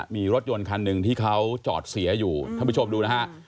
มีรถยนต์คันหนึ่งที่เขาจอดเสียอยู่ท่านผู้ชมดูนะฮะ